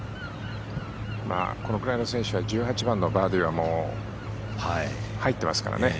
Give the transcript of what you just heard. このくらいの選手は１８番のバーディーは入ってますからね。